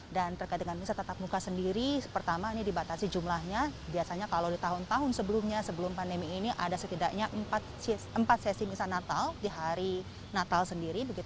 dan berkait dengan misa tetap muka sendiri pertama ini dibatasi jumlahnya biasanya kalau di tahun tahun sebelumnya sebelum pandemi ini ada setidaknya empat sesi misa natal di hari natal sendiri